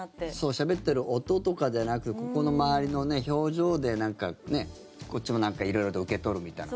しゃべってる音とかじゃなくここの周りの表情でなんかねこっちも何か色々と受け取るみたいな。